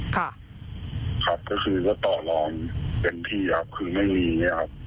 ครับครับก็คือก็ต่อรองเต็มที่ครับคือไม่มีอย่างเงี้ครับ